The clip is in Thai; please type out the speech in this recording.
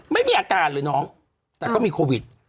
ไม่มีอาการเลยน้องแต่ก็มีโควิด